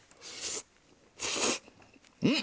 うん！